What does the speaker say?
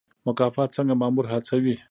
مکافات څنګه مامور هڅوي؟